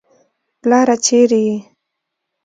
پلاره چېرې يې.